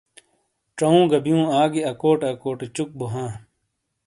چَؤوں گہ بِیُوں آگی اکوٹے اکوٹے چُک بوہاں۔